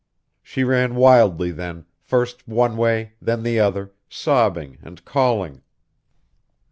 She ran wildly then, first one way, then the other, sobbing and calling.